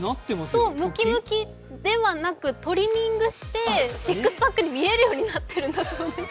そう、ムキムキではなくトリミングしてシックスパックに見えるようになっているんだそうです。